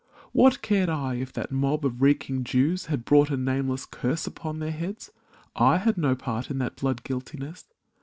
What cared I if that mob of reeking Jews Had brought a nameless curse upon their heads ? I had no part in that blood guiltiness.